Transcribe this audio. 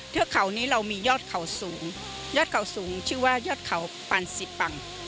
เทือกเขานี้เรามียอดเขาสูงยอดเขาสูงชื่อว่ายอดเขาปันสิปัง